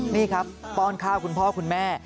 นี่ครับป้อนข้าวคุณพ่อคุณแม่